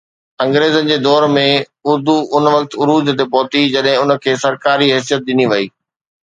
انگريزن جي دور ۾ اردو ان وقت عروج تي پهتي، جڏهن ان کي سرڪاري حيثيت ڏني وئي.